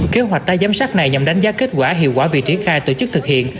kế hoạch tái giám sát này nhằm đánh giá kết quả hiệu quả việc triển khai tổ chức thực hiện